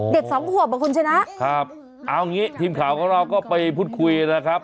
เด็กสองขวบเหรอคุณฉะนั้นครับเอาอย่างนี้ทีมข่าวของเราก็ไปพูดคุยนะครับ